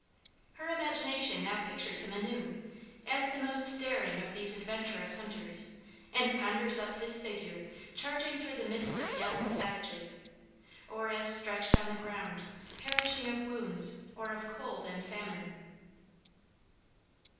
Her imagination now pictures him anew, as the most daring of these adventurous hunters, and conjures up his figure charging through the midst of yelling savages, or as stretched on the ground, perishing of wounds, or of cold and famine.